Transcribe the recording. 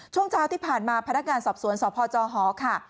ช่วงเช้าที่ผ่านมาพนักงานสอบสวนสพจหค่ะ